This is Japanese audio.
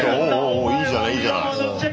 いいじゃないいいじゃない。